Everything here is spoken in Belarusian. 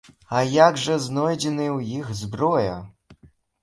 А як жа знойдзеная ў іх зброя?!